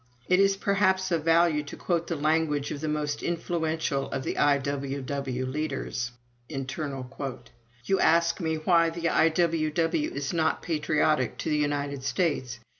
... "It is perhaps of value to quote the language of the most influential of the I.W.W. leaders. "'You ask me why the I.W.W. is not patriotic to the United States.